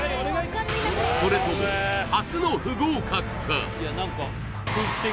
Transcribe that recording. それとも初の不合格か？